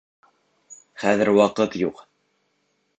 Хәҙер ваҡыт юҡ!